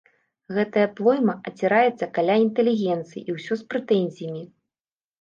Гэтая плойма аціраецца каля інтэлігенцыі і ўсё з прэтэнзіямі.